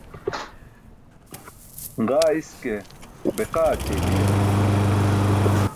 Ġaa iske be qaa akʰeybiya.